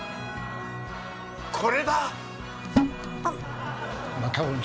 これだ！